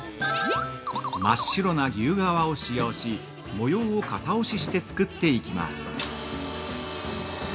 真っ白な牛革を使用し、模様を型押しして作っていきます。